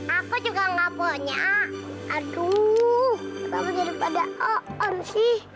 aku juga nggak punya aduh kamu jadi pada oon sih